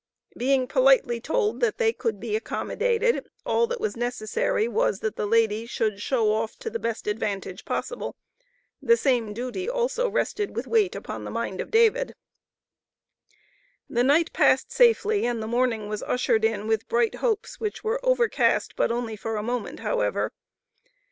Being politely told that they could be accommodated, all that was necessary was, that the lady should show off to the best advantage possible. The same duty also rested with weight upon the mind of David. The night passed safely and the morning was ushered in with bright hopes which were overcast but only for a moment, however.